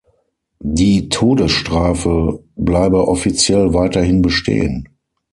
Die Todesstrafe bleibe offiziell weiterhin bestehen.